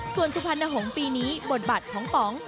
ส่วนสุพรรณหงษ์ปีนี้บทบาทของป๋อง